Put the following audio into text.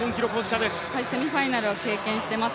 セミファイナルを経験してます。